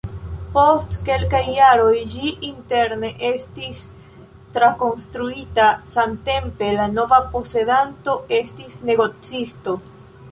Post kelkaj jaroj ĝi interne estis trakonstruita, samtempe la nova posedanto estis negocisto.